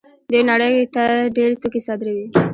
دوی نړۍ ته ډېر توکي صادروي.